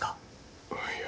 あっいや。